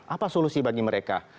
apa solusi bagi mereka